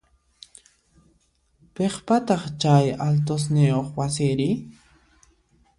Piqpataq chay altosniyoq wasiri?